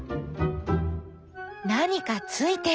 何かついている。